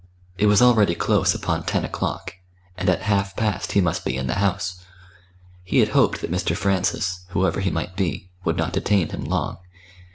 It was already close upon ten o'clock, and at half past he must be in the House. He had hoped that Mr. Francis, whoever he might be, would not detain him long.